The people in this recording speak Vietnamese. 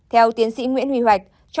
theo tiến sĩ nguyễn huy hoạch